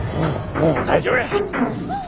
もう大丈夫や。